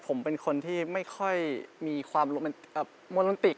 ผมเป็นคนที่ไม่ค่อยมีความโมโลนติก